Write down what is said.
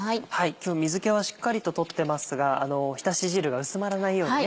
今日水気はしっかりと取ってますがひたし汁が薄まらないようにね。